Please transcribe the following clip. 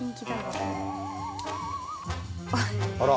あら。